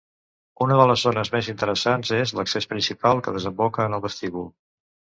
Una de les zones més interessants és l'accés principal que desemboca en el vestíbul.